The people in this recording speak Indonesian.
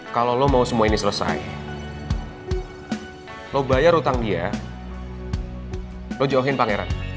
kalau lo mau semua ini selesai lo bayar utang dia lo jauhin pangeran